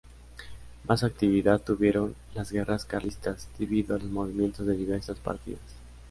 Más actividad tuvieron las guerras Carlistas, debido a los movimientos de diversas partidas.